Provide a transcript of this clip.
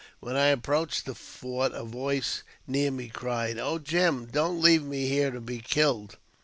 When I approached the fort, a voice near me cried, " Oh, Jim ! don't leave me here to be killed."